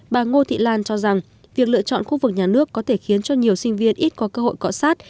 bà ngô thị lan cho rằng việc lựa chọn khu vực nhà nước có thể khiến cho nhiều sinh viên ít có cơ hội cọ sát